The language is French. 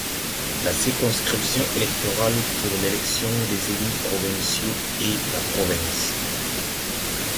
La circonscription électorale pour l'élection des élus provinciaux est la province.